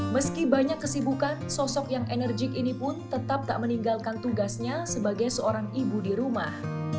meski banyak kesibukan sosok yang enerjik ini pun tetap tak meninggalkan tugasnya sebagai seorang ibu di rumah